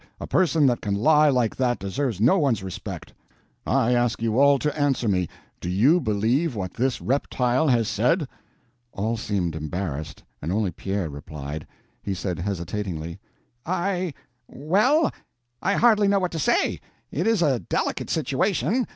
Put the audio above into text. A person that can lie like that deserves no one's respect. I ask you all to answer me. Do you believe what this reptile has said?" All seemed embarrassed, and only Pierre replied. He said, hesitatingly: "I—well, I hardly know what to say. It is a delicate situation.